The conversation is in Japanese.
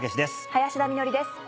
林田美学です。